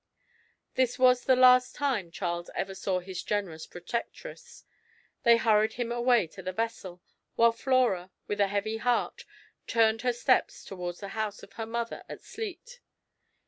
This was the last time Charles ever saw his generous protectress. They hurried him away to the vessel, while Flora, with a heavy heart, turned her steps toward the house of her mother at Sleat.